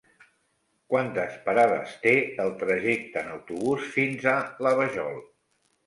Quantes parades té el trajecte en autobús fins a la Vajol?